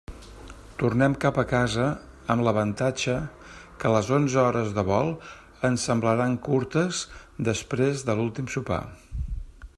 Tornem cap a casa amb l'avantatge que les onze hores de vol ens semblaran curtes després de l'últim sopar.